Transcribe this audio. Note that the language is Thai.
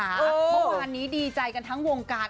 เมื่อวานนี้ดีใจกันทั้งวงการ